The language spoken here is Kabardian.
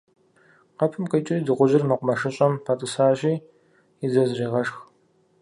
Къэпым къикӏри, дыгъужьыр мэкъумэшыщӏэм пэтӏысащи, и дзэр зэрегъэшх.